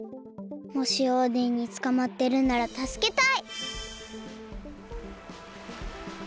もしオーデンにつかまってるならたすけたい。